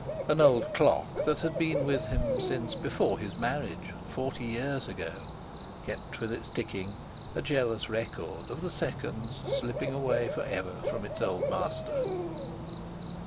An old clock that had been with him since before his marriage forty years ago kept with its ticking a jealous record of the seconds slipping away forever from its old master.